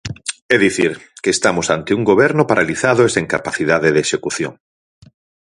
É dicir, que estamos ante un goberno paralizado e sen capacidade de execución.